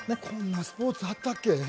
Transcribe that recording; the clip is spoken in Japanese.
こんなスポーツあったっけ？